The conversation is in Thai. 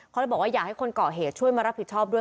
เขาเลยบอกว่าอยากให้คนเกาะเหตุช่วยมารับผิดชอบด้วย